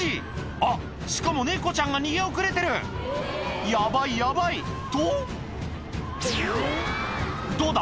あっしかもネコちゃんが逃げ遅れてるヤバいヤバいとどうだ？